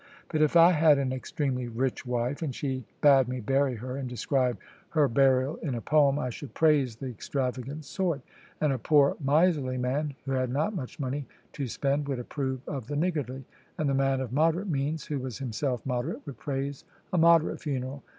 But if I had an extremely rich wife, and she bade me bury her and describe her burial in a poem, I should praise the extravagant sort; and a poor miserly man, who had not much money to spend, would approve of the niggardly; and the man of moderate means, who was himself moderate, would praise a moderate funeral.